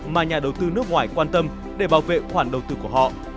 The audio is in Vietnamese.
mà nhà đầu tư nước ngoài quan tâm để bảo vệ khoản đầu tư của họ